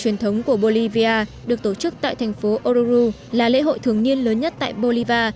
truyền thống của bolivia được tổ chức tại thành phố oru là lễ hội thường niên lớn nhất tại bolivar